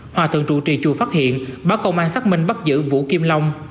hòa thượng trụ trì chùa phát hiện báo công an xác minh bắt giữ vũ kim long